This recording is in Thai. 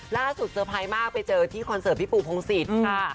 เซอร์ไพรส์มากไปเจอที่คอนเสิร์ตพี่ปูพงศิษย์ค่ะ